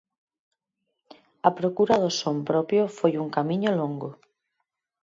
A procura do son propio foi un camiño longo.